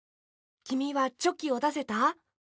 きみはチョキをだせた？